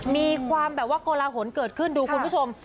มีความแบบว่าโกลาหลเกิดขึ้นดูคุณผู้ชม